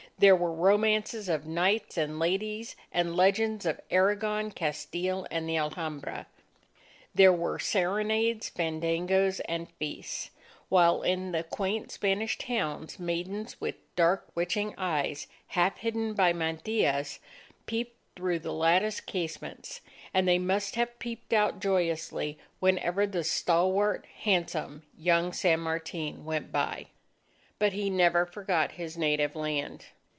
There were romances of knights and ladies, and legends of Aragon, Castile, and the Alhambra. There were serenades, fandangos, and feasts. While in the quaint Spanish towns, maidens with dark witching eyes half hidden by mantillas, peeped through the latticed casements. And they must have peeped out joyously whenever the stalwart, handsome, young San Martin went by. But he never forgot his native land.